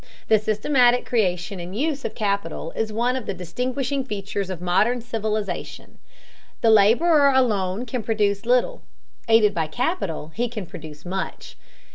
The systematic creation and use of capital is one of the distinguishing features of modern civilization. The laborer alone can produce little; aided by capital he can produce much.